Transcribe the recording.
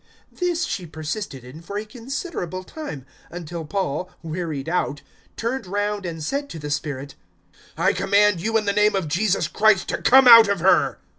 016:018 This she persisted in for a considerable time, until Paul, wearied out, turned round and said to the spirit, "I command you in the name of Jesus Christ to come out of her."